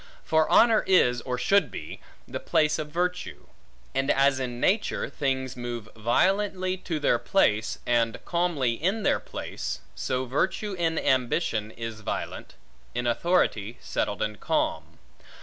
For honor is, or should be, the place of virtue; and as in nature, things move violently to their place, and calmly in their place, so virtue in ambition is violent, in authority settled and calm.